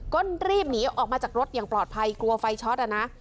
ก็รีบหนีออกมาจากรถอย่างปลอดภัยกลัวไฟช็อตอ่ะนะ